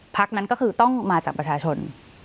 พักนั้นก็คือต้องมาจากประชาชน